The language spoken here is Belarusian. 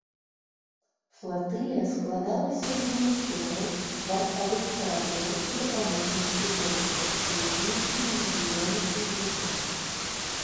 Флатылія складалася з манітораў, вартавых караблёў і дапаможных судоў, зведзеных у дывізіёны і групы.